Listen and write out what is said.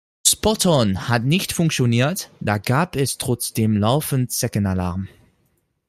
Spot-on hat nicht funktioniert, da gab es trotzdem laufend Zeckenalarm.